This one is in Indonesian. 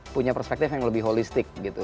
punya perspektif yang lebih holistik gitu